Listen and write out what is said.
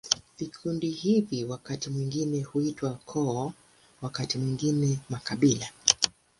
Vikundi hivi wakati mwingine huitwa koo, wakati mwingine makabila.